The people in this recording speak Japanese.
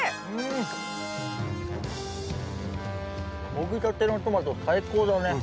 もぎたてのトマト最高だね。